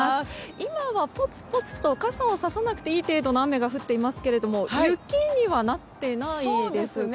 今はぽつぽつと傘をささなくていい程度の雨が降っていますけれども雪にはなっていないですかね？